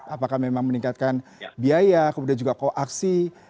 apakah memang meningkatkan biaya kemudian juga koaksi